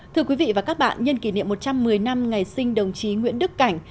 thưa quý vị và các bạn nhân kỷ niệm một trăm một mươi năm ngày sinh đồng chí nguyễn đức cảnh